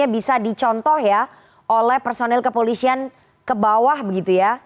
bisa dicontoh ya oleh personil kepolisian ke bawah begitu ya